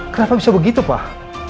kenapa bisa begitu pak